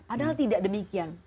padahal tidak demikian